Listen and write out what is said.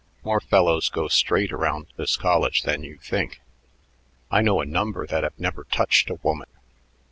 More fellows go straight around this college than you think. I know a number that have never touched a woman.